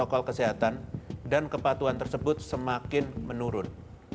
dan ini membuatkan protokol kesehatan dan kepatuhan tersebut semakin menurun